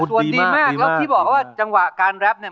ส่วนดีมากแล้วที่บอกว่าจังหวะการแรปเนี่ย